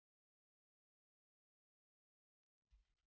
ibu aduh kemana dong